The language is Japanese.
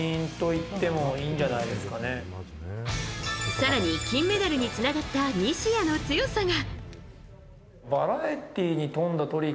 更に、金メダルにつながった西矢の強さが。